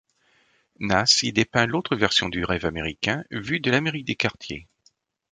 Nas y dépeint l'autre version du rêve américain, vue de l'Amérique des quartiers.